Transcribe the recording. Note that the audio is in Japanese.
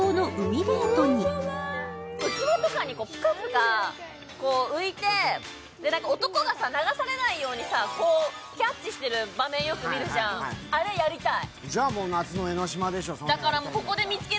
浮き輪とかにぷかぷか浮いて、男がさ、流されないようにキャッチしてる場面よく見るじゃん、あれやりたい。